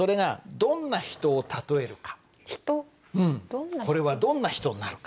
うんこれはどんな人になるか。